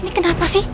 ini kenapa sih